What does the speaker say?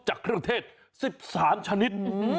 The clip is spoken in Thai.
จากเทศสิบสามชนิด